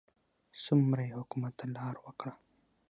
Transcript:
څومره یې حکومت ته لار وکړه.